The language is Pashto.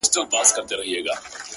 • له خپله سیوري خلک ویریږي,